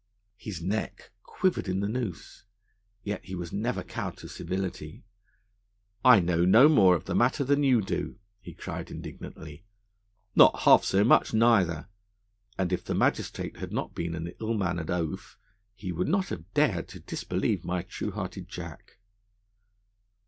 His neck quivered in the noose, yet he was never cowed to civility. 'I know no more of the matter than you do,' he cried indignantly, 'nor half so much neither,' and if the magistrate had not been an ill mannered oaf, he would not have dared to disbelieve my true hearted Jack.